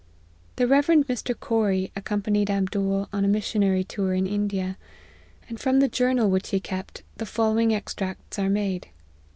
The Rev. Mr. Corrie accompanied Abdool on a missionary tour in India; and from the journal which he kept, the following extracts are made.